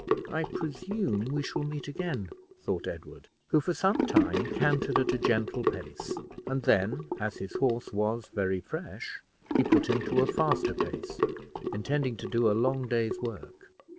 "I presume we shall meet again," thought Edward, who for some time cantered at a gentle pace, and then, as his horse was very fresh, he put him to a faster pace, intending to do a long day's work.